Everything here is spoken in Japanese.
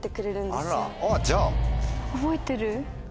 覚えてる？